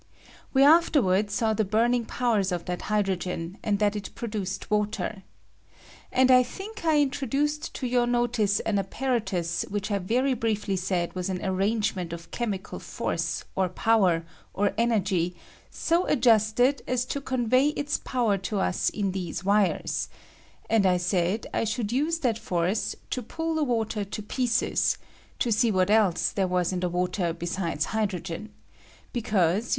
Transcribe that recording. We afterward saw the burning powers of that hy drogen, and that it produced water. And I think I introduced to your notice an apparatus which I very briefly said was au arrangement of chemical force, or power, or energy, so ad justed as to convey its power to us iu these wires ; and I said I should use that force to pull the water to pieces, to see what else there was in the water besides hydrogen ; because, you i.